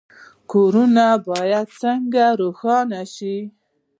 کورونه باید څنګه روښانه شي؟